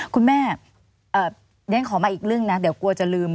คุณแม่เดี๋ยวฉันขอมาอีกเรื่องนะเดี๋ยวกลัวจะลืม